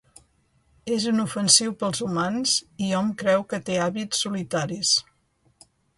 És inofensiu per als humans i hom creu que té hàbits solitaris.